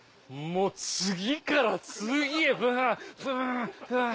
もう次から次へブンブンブン！